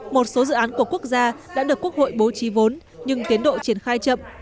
một số dự án của quốc gia đã được quốc hội bố trí vốn nhưng tiến độ triển khai chậm